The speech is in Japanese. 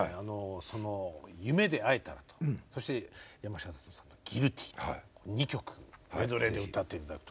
その「夢でえたら」とそして山下達郎さんの「Ｇｕｉｌｔｙ」２曲メドレーで歌っていただくと。